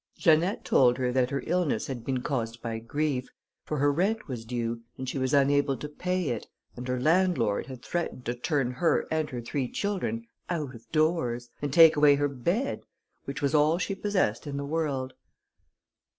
Janette told her that her illness had been caused by grief, for her rent was due, and she was unable to pay it, and her landlord had threatened to turn her and her three children out of doors, and take away her bed, which was all she possessed in the world.